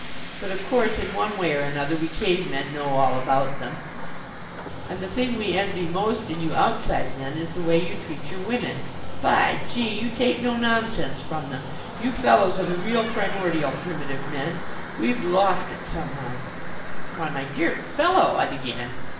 But of course, in one way or another, we Cave men know all about them. And the thing we envy most in you Outside Men is the way you treat your women! By gee! You take no nonsense from them you fellows are the real primordial, primitive men. We've lost it somehow." "Why, my dear fellow " I began.